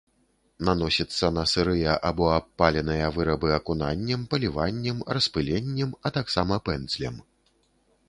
Наносіцца на сырыя або абпаленыя вырабы акунаннем, паліваннем, распыленнем, а таксама пэндзлем.